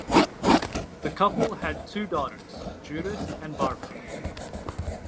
The couple had two daughters, Judith and Barbara.